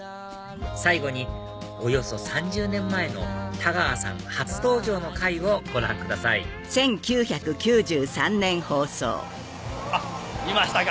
最後におよそ３０年前の太川さん初登場の回をご覧くださいあっいましたか！